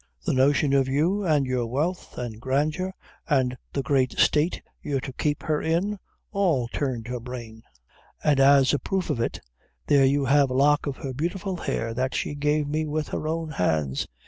The notion of you an' your wealth, an' grandeur, an' the great state you're to keep her in all turned her brain; an' as a proof of it, there you have a lock of her beautiful hair that she gave me with her own hands.